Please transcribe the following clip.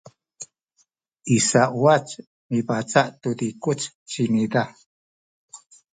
i sauwac mibaca’ tu zikuc ci ina